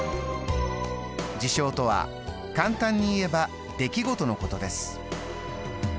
事象とは簡単に言えば出来事のことです。